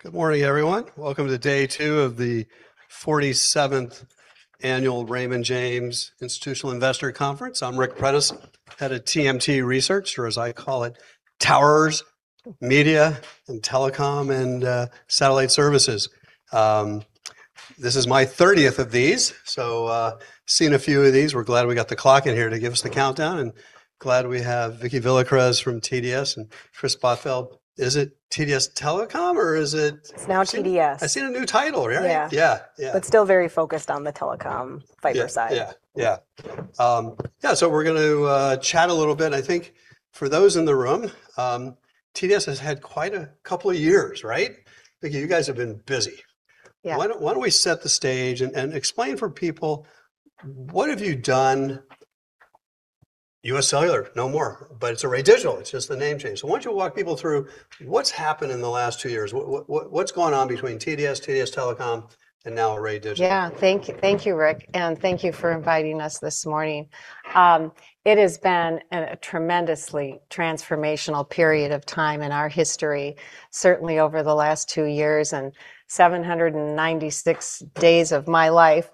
Good morning, everyone. Welcome to day two of the 47th annual Raymond James Institutional Investor Conference. I'm Ric Prentiss, head of TMT Research, or as I call it, Towers, Media, and Telecom, and Satellite Services. This is my 30th of these, so seen a few of these. We're glad we got the clock in here to give us the countdown, and glad we have Vicki Villacrez from TDS and Kris Bothfeld. Is it TDS Telecom, or is it- It's now TDS. I seen a new title, right? Yeah. Yeah, yeah. Still very focused on the telecom fiber side. Yeah, yeah. Yeah. Yeah, we're gonna chat a little bit. I think for those in the room, TDS has had quite a couple of years, right? Vicki, you guys have been busy. Yeah. Why don't we set the stage and explain for people what have you done? UScellular, no more, but it's Array Digital, it's just the name change. Why don't you walk people through what's happened in the last two years? What's gone on between TDS Telecom, and now Array Digital? Yeah. Thank you. Thank you, Ric, and thank you for inviting us this morning. It has been a tremendously transformational period of time in our history, certainly over the last two years, and 796 days of my life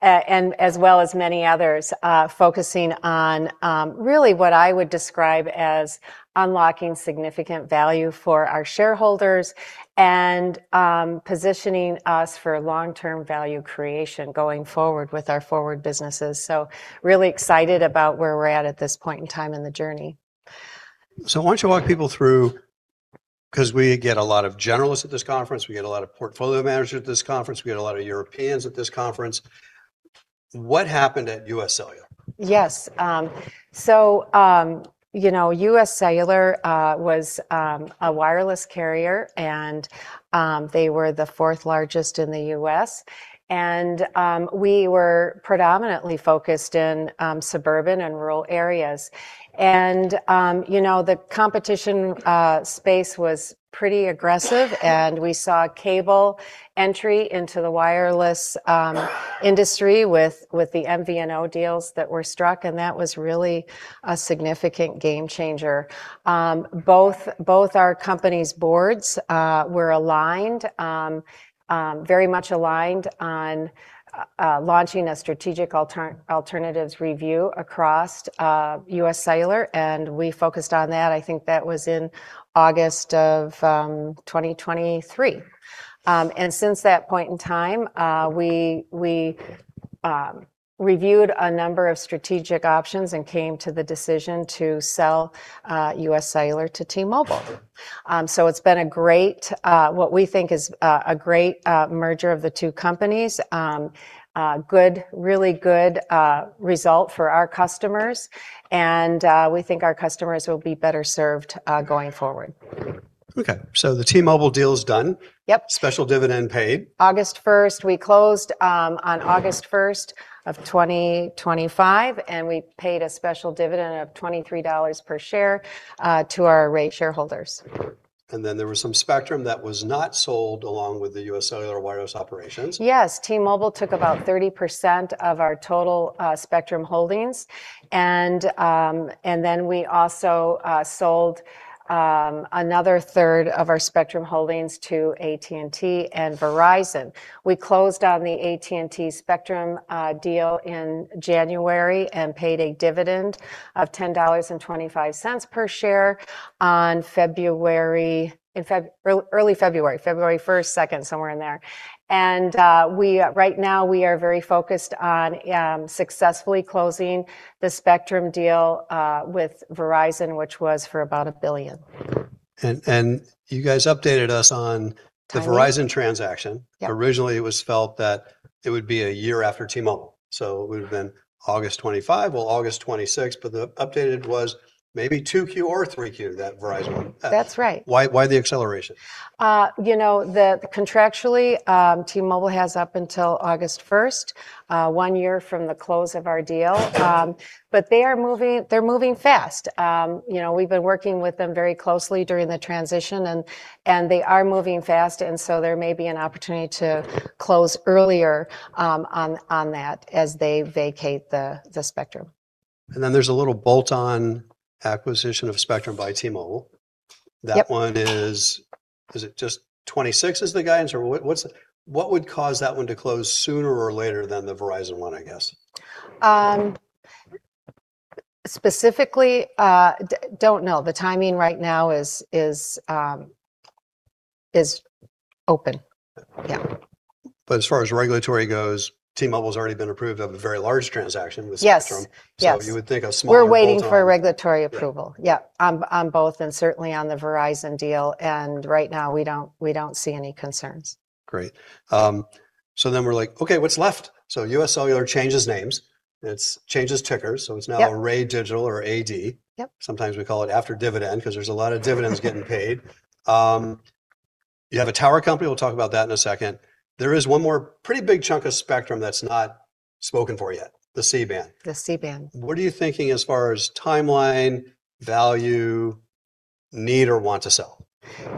and as well as many others, focusing on really what I would describe as unlocking significant value for our shareholders and positioning us for long-term value creation going forward with our forward businesses. Really excited about where we're at at this point in time in the journey. Why don't you walk people through, because we get a lot of journalists at this conference, we get a lot of portfolio managers at this conference, we get a lot of Europeans at this conference. What happened at UScellular? Yes. You know, UScellular was a wireless carrier, and they were the fourth largest in the U.S. We were predominantly focused in suburban and rural areas. You know, the competition space was pretty aggressive, and we saw cable entry into the wireless industry with the MVNO deals that were struck, and that was really a significant game changer. Both our companies' boards were aligned, very much aligned on launching a strategic alternatives review across UScellular, and we focused on that. I think that was in August of 2023. Since that point in time, we reviewed a number of strategic options and came to the decision to sell UScellular to T-Mobile. It's been a great, what we think is, a great merger of the two companies. Good, really good result for our customers. We think our customers will be better served going forward. Okay. The T-Mobile deal's done. Yep. Special dividend paid. August 1st. We closed on August 1st of 2025, and we paid a special dividend of $23 per share to our Array shareholders. Then there was some spectrum that was not sold along with the UScellular wireless operations. Yes. T-Mobile took about 30% of our total spectrum holdings. We also sold another third of our spectrum holdings to AT&T and Verizon. We closed on the AT&T spectrum deal in January and paid a dividend of $10.25 per share on February, early February 1st, 2nd, somewhere in there. Right now we are very focused on successfully closing the spectrum deal with Verizon, which was for about $1 billion. You guys updated us on- Timing.... the Verizon transaction. Yep. Originally it was felt that it would be a year after T-Mobile, so it would've been August 2025 or August 2026, but the updated was maybe 2Q or 3Q, that Verizon. That's right. Why the acceleration? You know, contractually, T-Mobile has up until August 1st, one year from the close of our deal. They're moving fast. You know, we've been working with them very closely during the transition, and they are moving fast. There may be an opportunity to close earlier on that as they vacate the spectrum. There's a little bolt-on acquisition of spectrum by T-Mobile. Yep. That one is it just 2026 is the guidance, or what would cause that one to close sooner or later than the Verizon one, I guess? Specifically, don't know. The timing right now is open. Yeah. As far as regulatory goes, T-Mobile's already been approved of a very large transaction with spectrum. Yes, yes. You would think a smaller bolt-on. We're waiting for regulatory approval. Right. Yeah, on both, and certainly on the Verizon deal, and right now we don't see any concerns. Great. We're like, "Okay, what's left?" UScellular changes names, changes tickers, so it's now- Yep.... Array Digital or AD. Yep. Sometimes we call it After Dividend 'cause there's a lot of dividends getting paid. You have a tower company, we'll talk about that in a second. There is one more pretty big chunk of spectrum that's not spoken for yet, the C-band. The C-band. What are you thinking as far as timeline, value? Need or want to sell?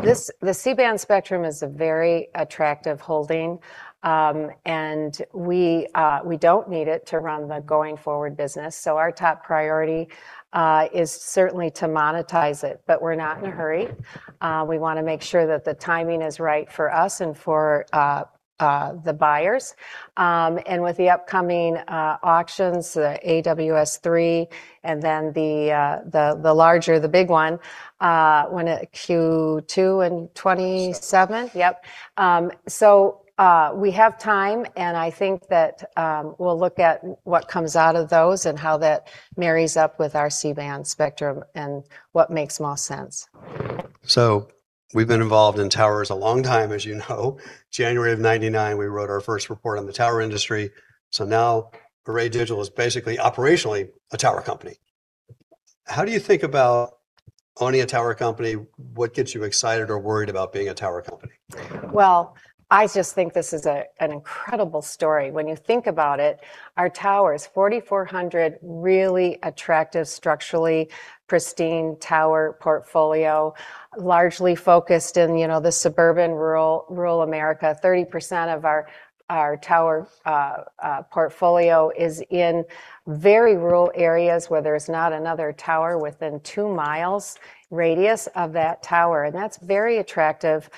The C-band spectrum is a very attractive holding, and we don't need it to run the going forward business. Our top priority is certainly to monetize it. We're not in a hurry. We wanna make sure that the timing is right for us and for the buyers. With the upcoming auctions, the AWS-3 and then the larger, the big one, Q2 in 2027? 2027. Yep. We have time, and I think that we'll look at what comes out of those and how that marries up with our C-band spectrum and what makes most sense. We've been involved in towers a long time, as you know. January of 1999, we wrote our first report on the tower industry. Now Array Digital is basically operationally a tower company. How do you think about owning a tower company? What gets you excited or worried about being a tower company? I just think this is an incredible story. When you think about it, our towers, 4,400 really attractive, structurally pristine tower portfolio, largely focused in, you know, the suburban, rural America. 30% of our tower portfolio is in very rural areas where there's not another tower within two miles radius of that tower, that's very attractive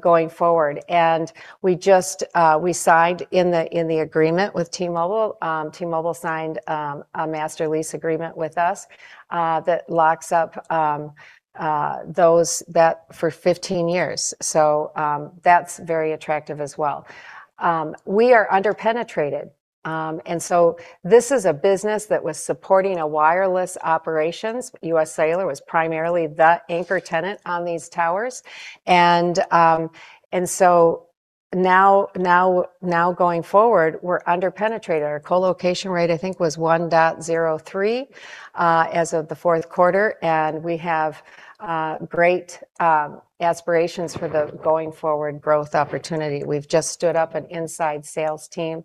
going forward. We just signed in the agreement with T-Mobile. T-Mobile signed a master lease agreement with us that locks up that for 15 years. That's very attractive as well. We are under-penetrated. This is a business that was supporting a wireless operations. UScellular was primarily the anchor tenant on these towers. Now going forward, we're under-penetrated. Our colocation rate, I think, was 1.03 as of the fourth quarter, and we have great aspirations for the going forward growth opportunity. We've just stood up an inside sales team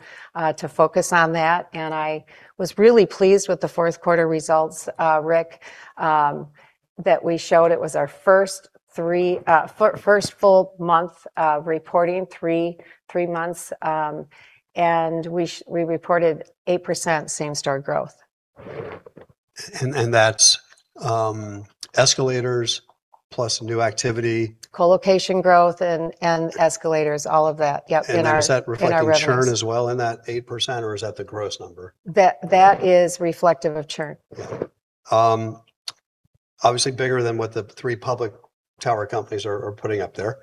to focus on that, and I was really pleased with the fourth quarter results, Ric, that we showed. It was our first full month of reporting, three months. We reported 8% same-store growth. That's escalators plus new activity. Colocation growth and escalators, all of that. Yep, in our revenues. Is that reflecting churn as well in that 8%, or is that the gross number? That is reflective of churn. Yeah. Obviously bigger than what the three public tower companies are putting up there.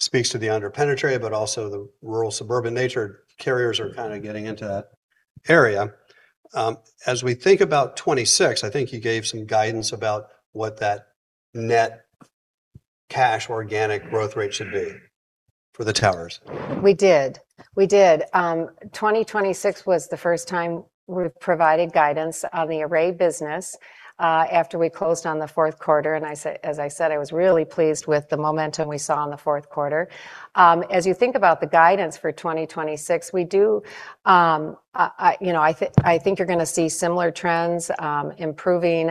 Speaks to the under-penetrated but also the rural suburban nature. Carriers are kind of getting into that area. As we think about 2026, I think you gave some guidance about what that net cash organic growth rate should be for the towers. We did. 2026 was the first time we've provided guidance on the Array business after we closed on the fourth quarter. As I said, I was really pleased with the momentum we saw in the fourth quarter. As you think about the guidance for 2026, we do, you know, I think you're gonna see similar trends, improving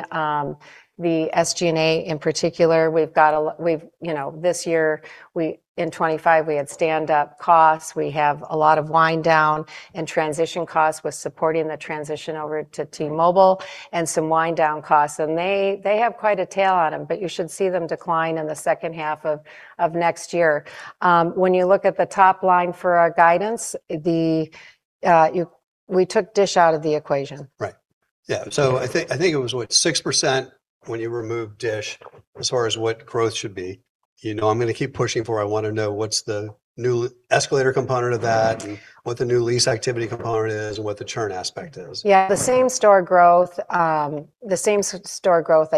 the SG&A in particular. We've got, you know, this year in 2025 we had standup costs. We have a lot of wind down and transition costs with supporting the transition over to T-Mobile and some wind down costs. They have quite a tail on them, but you should see them decline in the second half of next year. When you look at the top line for our guidance, the, we took DISH out of the equation. Right. Yeah. I think, I think it was, what, 6% when you remove DISH as far as what growth should be. You know I'm gonna keep pushing for it. I wanna know what's the new escalator component of that and what the new lease activity component is and what the churn aspect is. Yeah. The same-store growth, I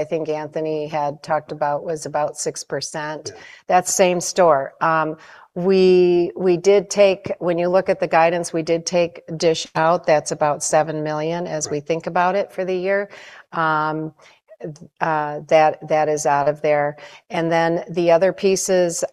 think Anthony had talked about was about 6%. Yeah. That's same-store. When you look at the guidance, we did take DISH out. That's about $7 million- Right. ...as we think about it for the year. That is out of there. The other pieces,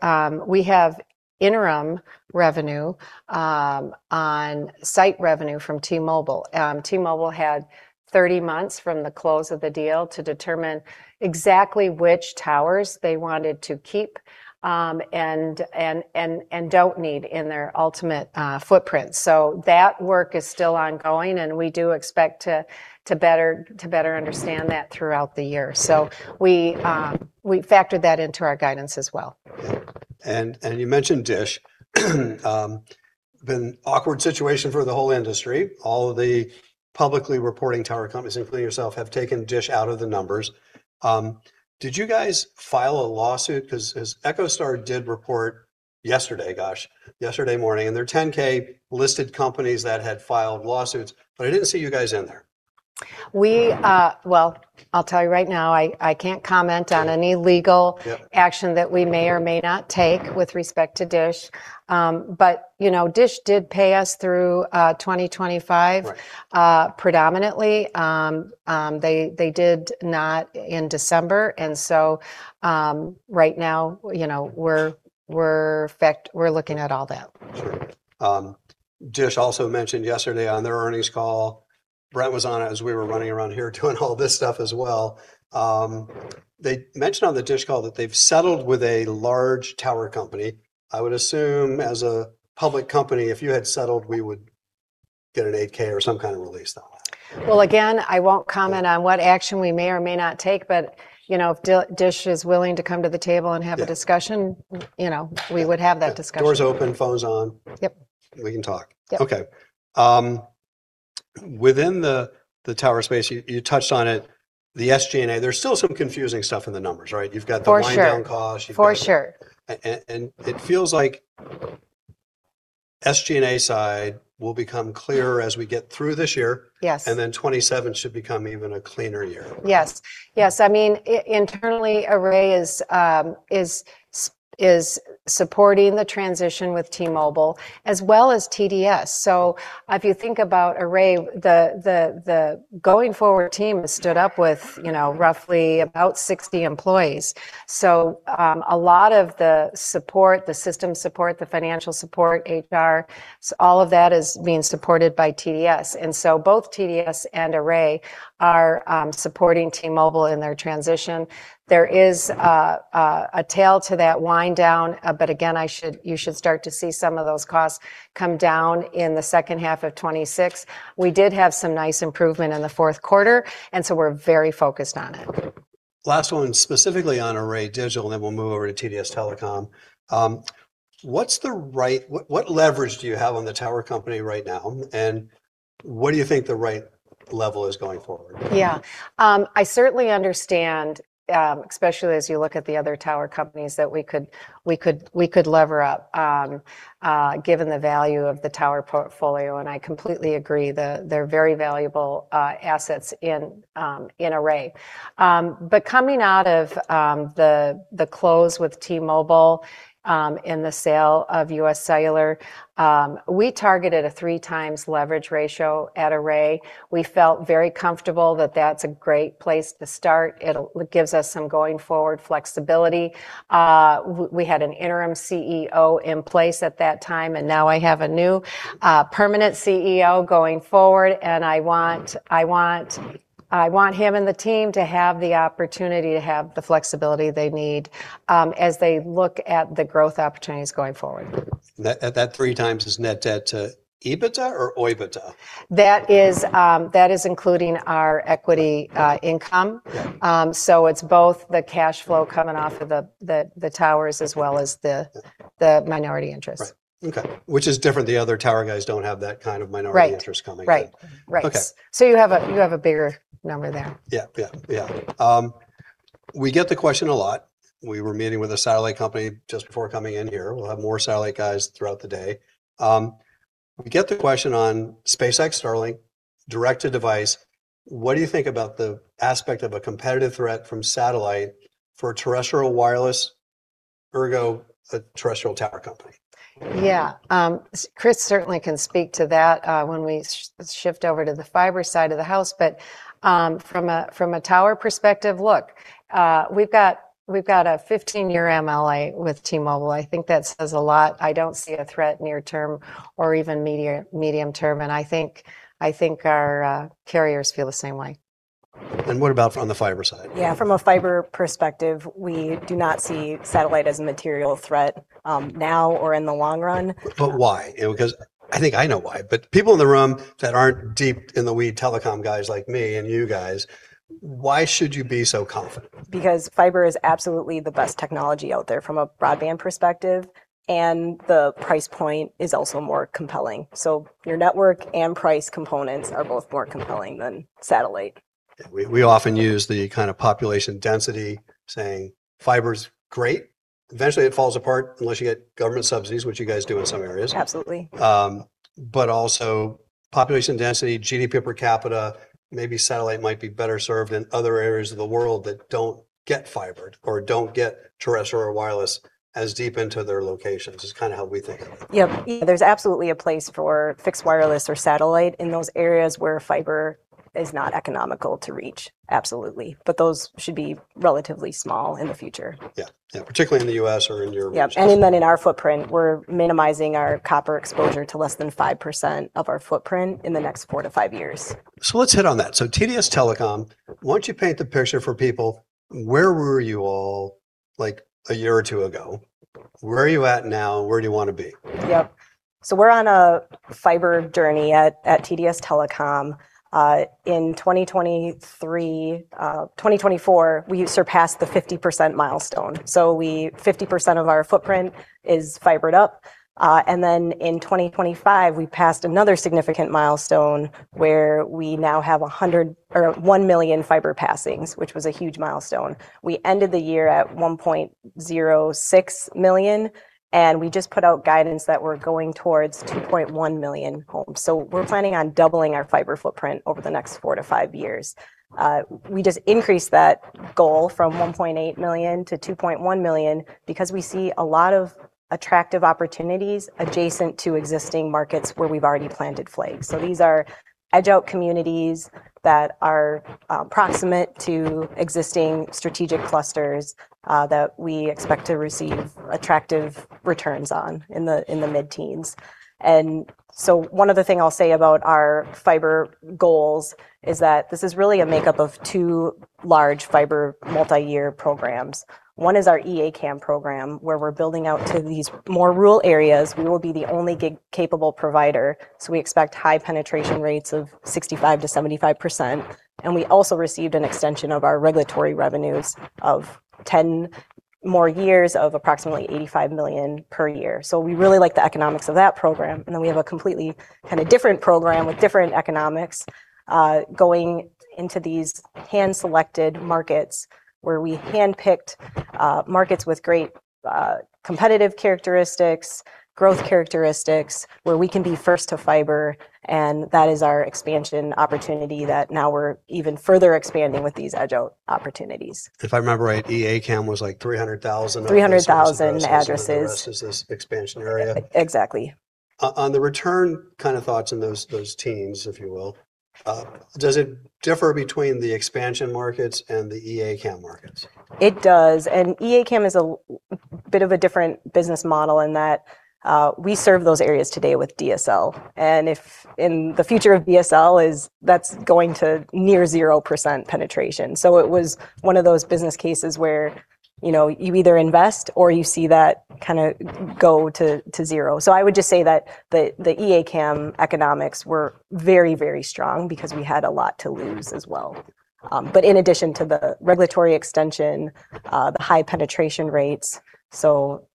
we have interim revenue on site revenue from T-Mobile. T-Mobile had 30 months from the close of the deal to determine exactly which towers they wanted to keep and don't need in their ultimate footprint. That work is still ongoing, and we do expect to better understand that throughout the year. We factored that into our guidance as well. Yeah. You mentioned DISH. Been awkward situation for the whole industry. All of the publicly reporting tower companies, including yourself, have taken DISH out of the numbers. Did you guys file a lawsuit? As EchoStar did report yesterday, gosh, yesterday morning, in their 10-K, listed companies that had filed lawsuits, but I didn't see you guys in there. We, well, I can't comment on any legal- Yeah. ...action that we may or may not take with respect to DISH. You know, DISH did pay us through 2025. Right. Predominantly. They did not in December. Right now, you know, we're looking at all that. DISH also mentioned yesterday on their earnings call, Brent was on it as we were running around here doing all this stuff as well. They mentioned on the DISH call that they've settled with a large tower company. I would assume as a public company, if you had settled, we would get an 8-K or some kind of release on that. Again, I won't comment on what action we may or may not take, but, you know, if DISH is willing to come to the table and have a discussion- Yeah.... You know, we would have that discussion. Door's open, phone's on. Yep. We can talk. Yeah. Okay. Within the tower space, you touched on it, the SG&A, there's still some confusing stuff in the numbers, right? You've got the wind down costs. For sure. For sure. It feels like SG&A side will become clearer as we get through this year. Yes. 2027 should become even a cleaner year. Yes. Yes. I mean, internally, Array is supporting the transition with T-Mobile as well as TDS. If you think about Array, the going forward team stood up with, you know, roughly about 60 employees. A lot of the support, the system support, the financial support, HR, all of that is being supported by TDS. Both TDS and Array are supporting T-Mobile in their transition. There is a tail to that wind down, but again, you should start to see some of those costs come down in the second half of 2026. We did have some nice improvement in the fourth quarter, and so we're very focused on it. Last one specifically on Array Digital, then we'll move over to TDS Telecom. What's the what leverage do you have on the tower company right now? What do you think the right level is going forward? Yeah. I certainly understand, especially as you look at the other tower companies that we could lever up, given the value of the tower portfolio, and I completely agree that they're very valuable assets in Array. Coming out of the close with T-Mobile, in the sale of UScellular, we targeted a 3x leverage ratio at Array. We felt very comfortable that that's a great place to start. It'll gives us some going forward flexibility. We had an interim CEO in place at that time, and now I have a new permanent CEO going forward, and I want him and the team to have the opportunity to have the flexibility they need as they look at the growth opportunities going forward. That 3x is net debt to EBITDA or OIBDA? That is, that is including our equity, income. Yeah. It's both the cash flow coming off of the towers as well as- Yeah.... the minority interest. Right. Okay. Which is different. The other tower guys don't have that kind of minority interest coming in. Right. Right. Right. Okay. You have a bigger number there. Yeah. Yeah. Yeah. We get the question a lot. We were meeting with a satellite company just before coming in here. We'll have more satellite guys throughout the day. We get the question on SpaceX Starlink direct-to-device. What do you think about the aspect of a competitive threat from satellite for terrestrial wireless, ergo, a terrestrial tower company? Yeah. Kris certainly can speak to that when we shift over to the fiber side of the house. From a tower perspective, look, we've got a 15-year MLA with T-Mobile. I think that says a lot. I don't see a threat near term or even media-medium term. I think our carriers feel the same way. What about on the fiber side? Yeah. From a fiber perspective, we do not see satellite as a material threat, now or in the long run. Why? I think I know why. People in the room that aren't deep in the weed telecom guys like me and you guys, why should you be so confident? Fiber is absolutely the best technology out there from a broadband perspective, and the price point is also more compelling. Your network and price components are both more compelling than satellite. We often use the kind of population density saying fiber's great. Eventually it falls apart unless you get government subsidies, which you guys do in some areas. Absolutely. Also population density, GDP per capita, maybe satellite might be better served in other areas of the world that don't get fibered or don't get terrestrial wireless as deep into their locations is kind of how we think of it. Yep. There's absolutely a place for fixed wireless or satellite in those areas where fiber is not economical to reach. Absolutely. Those should be relatively small in the future. Yeah. Yeah. Particularly in the U.S. or in your region. Yep. Even in our footprint, we're minimizing our copper exposure to less than 5% of our footprint in the next four to five years. Let's hit on that. TDS Telecom, why don't you paint the picture for people, where were you all like a year or two ago? Where are you at now? Where do you want to be? Yep. We're on a fiber journey at TDS Telecom. In 2023, 2024, we surpassed the 50% milestone. 50% of our footprint is fibered up. In 2025, we passed another significant milestone where we now have one million fiber passings, which was a huge milestone. We ended the year at 1.06 million, and we just put out guidance that we're going towards 2.1 million homes. We're planning on doubling our fiber footprint over the next four to five years. We just increased that goal from 1.8 million to 2.1 million because we see a lot of attractive opportunities adjacent to existing markets where we've already planted flags. These are edge out communities that are proximate to existing strategic clusters that we expect to receive attractive returns on in the mid-teens. One other thing I'll say about our fiber goals is that this is really a makeup of two large fiber multi-year programs. One is our E-ACAM program, where we're building out to these more rural areas. We will be the only gig-capable provider, so we expect high penetration rates of 65%-75%. We also received an extension of our regulatory revenues of 10 more years of approximately $85 million per year. We really like the economics of that program, and then we have a completely kinda different program with different economics, going into these hand-selected markets where we handpicked markets with great competitive characteristics, growth characteristics, where we can be first to fiber, and that is our expansion opportunity that now we're even further expanding with these edge opportunities. If I remember right, E-ACAM was like $300,000- 300,000 addresses.... versus this expansion area. E-exactly. on the return kind of thoughts in those teams, if you will, does it differ between the expansion markets and the E-ACAM markets? It does. E-ACAM is a bit of a different business model in that we serve those areas today with DSL, and in the future of DSL is that's going to near 0% penetration. It was one of those business cases where, you know, you either invest or you see that kinda go to zero. I would just say that the E-ACAM economics were very, very strong because we had a lot to lose as well. In addition to the regulatory extension, the high penetration rates, so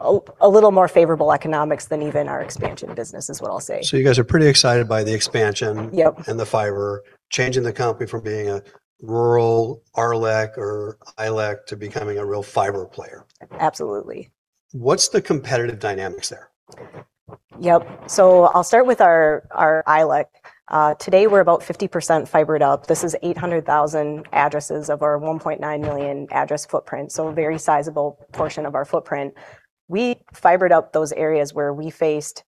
a little more favorable economics than even our expansion business is what I'll say. You guys are pretty excited by the expansion? Yep.... and the fiber, changing the company from being a rural RLEC or ILEC to becoming a real fiber player. Absolutely. What's the competitive dynamics there? Yep. I'll start with our ILEC. Today we're about 50% fibered up. This is 800,000 addresses of our 1.9 million address footprint, a very sizable portion of our footprint. We fibered up those areas where we faced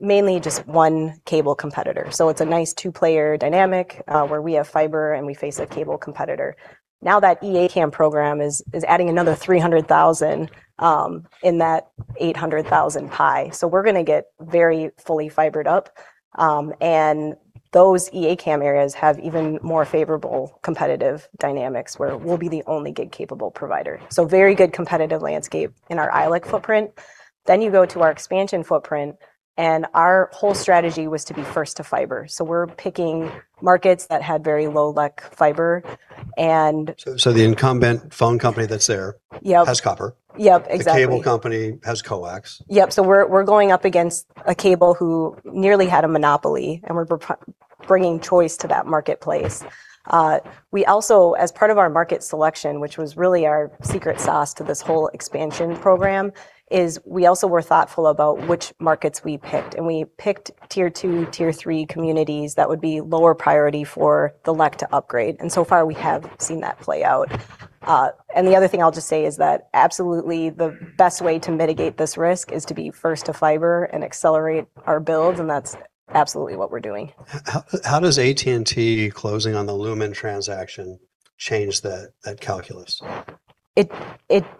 mainly just one cable competitor. It's a nice two-player dynamic where we have fiber, and we face a cable competitor. That E-ACAM program is adding another 300,000 in that 800,000 pie. We're gonna get very fully fibered up, and those E-ACAM areas have even more favorable competitive dynamics where we'll be the only gig-capable provider. Very good competitive landscape in our ILEC footprint. You go to our expansion footprint, and our whole strategy was to be first to fiber. We're picking markets that had very low LEC fiber. The incumbent phone company that's there- Yep.... has copper. Yep, exactly. The cable company has coax. Yep. We're going up against a cable who nearly had a monopoly, and we're bringing choice to that marketplace. We also, as part of our market selection, which was really our secret sauce to this whole expansion program, is we also were thoughtful about which markets we picked, and we picked tier two, tier three communities that would be lower priority for the LEC to upgrade. So far, we have seen that play out. The other thing I'll just say is that absolutely the best way to mitigate this risk is to be first to fiber and accelerate our build, and that's absolutely what we're doing. How does AT&T closing on the Lumen transaction change that calculus? It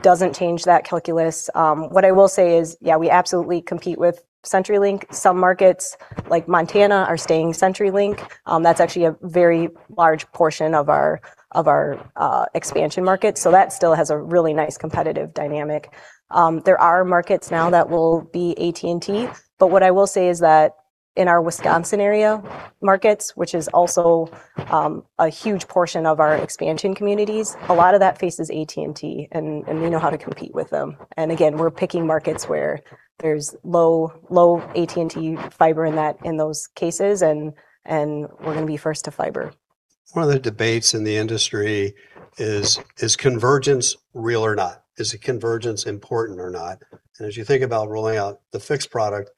doesn't change that calculus. What I will say is, yeah, we absolutely compete with CenturyLink. Some markets, like Montana, are staying CenturyLink. That's actually a very large portion of our expansion market. That still has a really nice competitive dynamic. There are markets now that will be AT&T, but what I will say is that in our Wisconsin area markets, which is also a huge portion of our expansion communities, a lot of that faces AT&T, and we know how to compete with them. Again, we're picking markets where there's low AT&T fiber in those cases and we're gonna be first to fiber. One of the debates in the industry is convergence real or not? Is convergence important or not? As you think about rolling out the fixed product,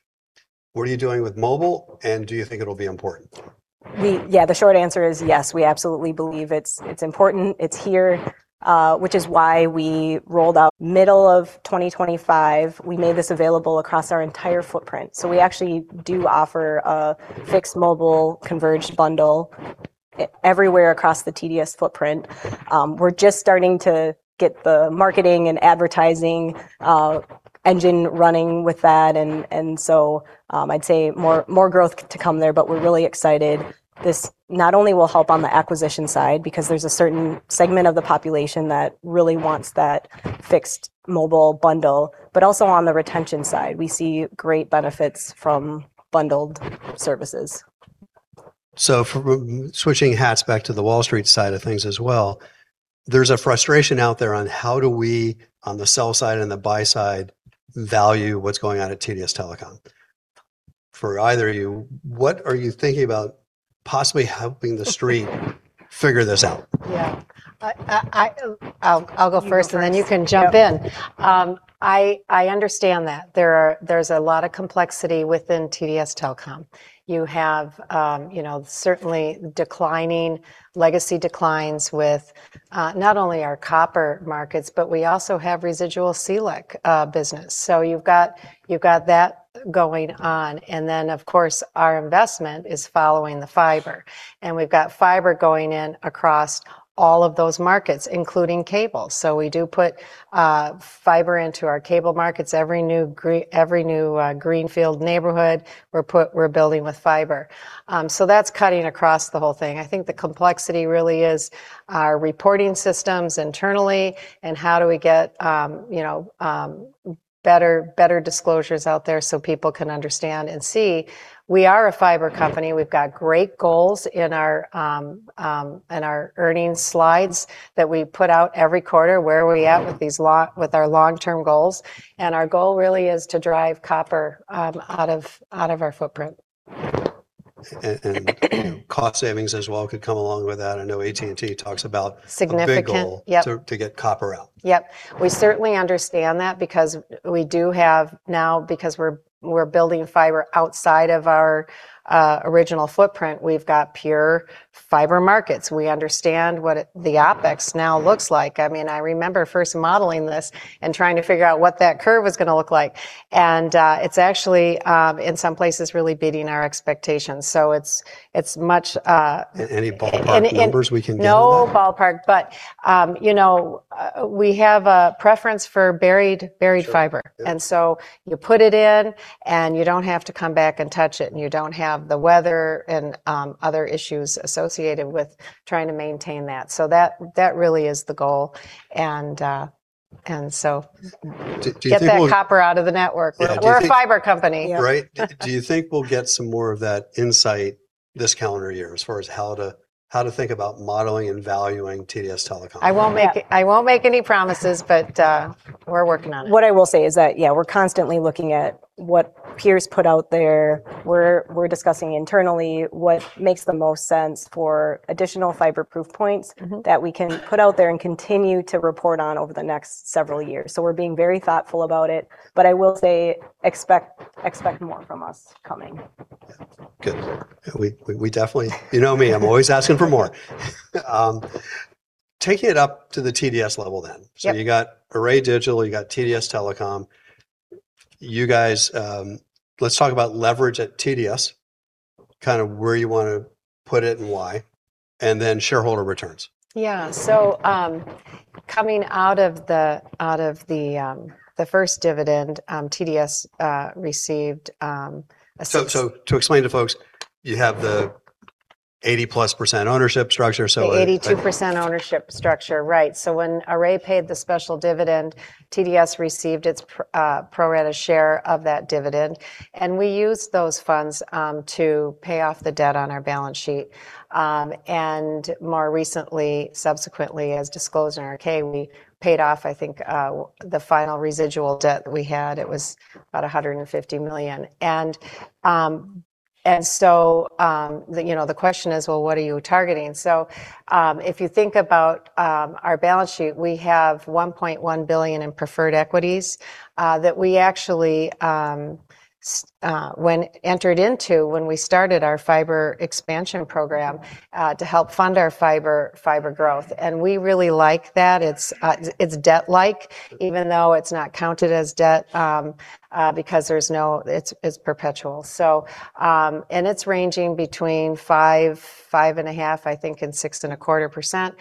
what are you doing with mobile, and do you think it'll be important? Yeah. The short answer is yes. We absolutely believe it's important. It's here, which is why we rolled out middle of 2025. We made this available across our entire footprint. We actually do offer a fixed-mobile converged bundle everywhere across the TDS footprint. We're just starting to get the marketing and advertising engine running with that. I'd say more growth to come there. We're really excited. This not only will help on the acquisition side because there's a certain segment of the population that really wants that fixed-mobile bundle, but also on the retention side. We see great benefits from bundled services. From switching hats back to the Wall Street side of things as well, there's a frustration out there on how do we, on the sell side and the buy side, value what's going on at TDS Telecom. For either of you, what are you thinking about possibly helping the Street figure this out? Yeah. I'll go first. Then you can jump in. I understand that. There's a lot of complexity within TDS Telecom. You have, you know, certainly declining legacy declines with not only our copper markets, but we also have residual CLEC business. You've got that going on. Then of course our investment is following the fiber. We've got fiber going in across all of those markets, including cable. We do put fiber into our cable markets. Every new greenfield neighborhood, we're building with fiber. That's cutting across the whole thing. I think the complexity really is our reporting systems internally and how do we get, you know, better disclosures out there so people can understand and see we are a fiber company. We've got great goals in our in our earnings slides that we put out every quarter, where are we at with our long-term goals. Our goal really is to drive copper out of our footprint. Cost savings as well could come along with that. I know AT&T talks about- Significant.... a big goal- Yep.... to get copper out. Yep. We certainly understand that because we do have, now, because we're building fiber outside of our original footprint, we've got pure fiber markets. We understand what the OPEX now looks like. I mean, I remember first modeling this and trying to figure out what that curve was gonna look like and it's actually in some places really beating our expectations. It's much. Any ballpark numbers we can get on that? No ballpark, but, you know, we have a preference for buried fiber. Sure. Yeah. You put it in and you don't have to come back and touch it and you don't have the weather and other issues associated with trying to maintain that. That really is the goal. Do you think? Get that copper out of the network. Yeah. Do you think- We're a fiber company. Yeah. Do you think we'll get some more of that insight this calendar year as far as how to, how to think about modeling and valuing TDS Telecom? I won't. Yeah. I won't make any promises, but, we're working on it. What I will say is that, yeah, we're constantly looking at what peers put out there. We're discussing internally what makes the most sense for additional fiber proof points- Mm-hmm... that we can put out there and continue to report on over the next several years. We're being very thoughtful about it, but I will say expect more from us coming. Yeah. Good. We definitely... You know me, I'm always asking for more. Taking it up to the TDS level then. Yep. You got Array Digital, you got TDS Telecom. You guys, let's talk about leverage at TDS, kind of where you want to put it and why, and then shareholder returns. Yeah. Coming out of the first dividend, TDS received, To explain to folks, you have the 80%+ ownership structure. The 82% ownership structure. Right. When Array paid the special dividend, TDS received its pro rata share of that dividend and we used those funds to pay off the debt on our balance sheet. More recently, subsequently, as disclosed in our K, we paid off, I think, the final residual debt that we had. It was about $150 million. The, you know, the question is, well, what are you targeting? If you think about our balance sheet, we have $1.1 billion in preferred equities that we actually when entered into when we started our fiber expansion program to help fund our fiber growth and we really like that. It's debt-like even though it's not counted as debt because there's no. It's perpetual. It's ranging between five and a half, I think, and six and a quarter%.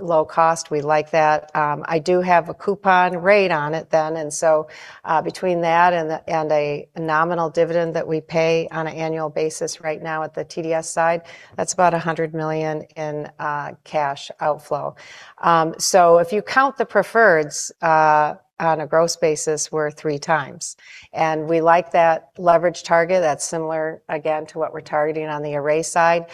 Low cost, we like that. I do have a coupon rate on it, between that and the, and a nominal dividend that we pay on a annual basis right now at the TDS side, that's about $100 million in cash outflow. If you count the preferreds, on a gross basis, we're 3x. We like that leverage target. That's similar, again, to what we're targeting on the Array side.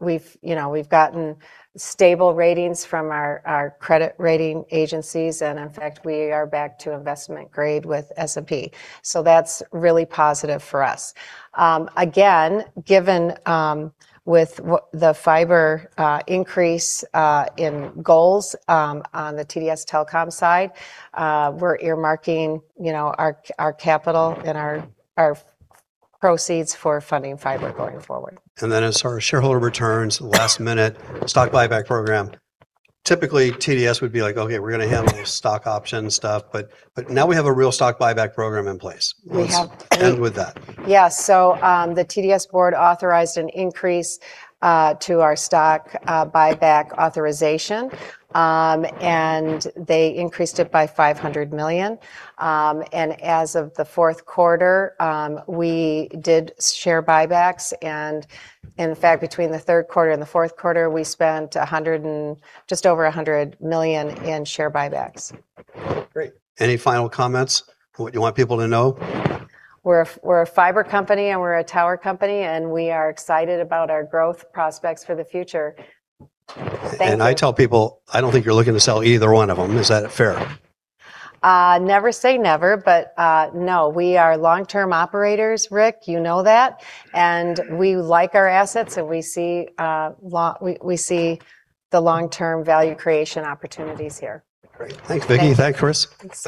We've, you know, we've gotten stable ratings from our credit rating agencies and in fact we are back to investment grade with S&P, that's really positive for us. Again, given with the fiber increase in goals on the TDS Telecom side, we're earmarking, you know, our capital and our proceeds for funding fiber going forward. As far as shareholder returns, last minute, stock buyback program. Typically TDS would be like, "Okay, we're gonna handle the stock option stuff," but now we have a real stock buyback program in place. We have. Let's end with that. Yeah. The TDS board authorized an increase to our stock buyback authorization, they increased it by $500 million. As of the fourth quarter, we did share buybacks and in fact between the third quarter and the fourth quarter, we spent just over $100 million in share buybacks. Great. Any final comments you want people to know? We're a fiber company and we're a tower company, and we are excited about our growth prospects for the future. Thank you. I tell people I don't think you're looking to sell either one of them. Is that fair? Never say never, but no. We are long-term operators, Ric. You know that. We like our assets, we see the long-term value creation opportunities here. Great. Thanks, Vicki. Thank you. Thanks, Kris.